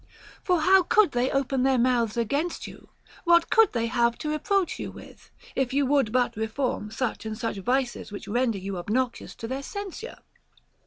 For how could they open their mouths against you, what could they have to reproach you with, if you would but reform such and such vices which render you obnoxious to their censure